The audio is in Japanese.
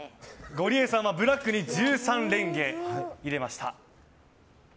ゴリエさんはブラックに１３レンゲ入れました。